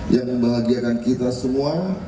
yang membahagiakan kita semua